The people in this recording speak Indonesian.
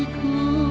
jadi seberapa jauh